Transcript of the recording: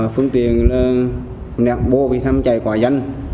phương tiện nèo bô bị tham chạy quả dân